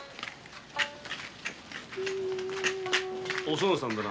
おそのさんだな。